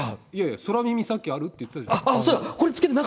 空耳さっきあるって言ってたじゃない？